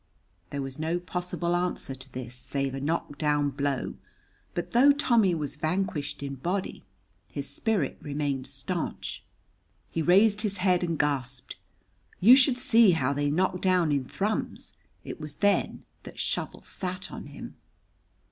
There was no possible answer to this save a knock down blow, but though Tommy was vanquished in body, his spirit remained stanch; he raised his head and gasped, "You should see how they knock down in Thrums!" It was then that Shovel sat on him.